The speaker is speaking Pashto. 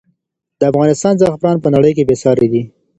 د افغانستان زعفران په نړۍ کې بې ساری دی.